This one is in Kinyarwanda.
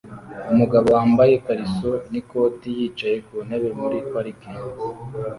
Umugabo wambaye ikariso n'ikoti yicaye ku ntebe muri parike